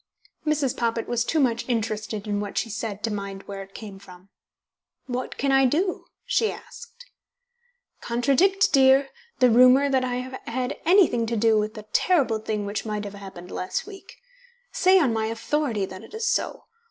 Mrs. Poppit was too much interested in what she said to mind where it came from. "What can I do?" she asked. "Contradict, dear, the rumour that I have had anything to do with the terrible thing which might have happened last week. Say on my authority that it is so.